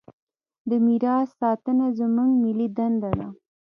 د میراث ساتنه زموږ ملي دنده ده.